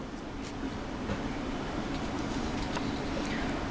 hội chức y tế gaza